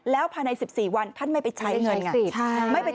แล้วภายใน๑๔วันท่านไม่ไปใช้เงินไง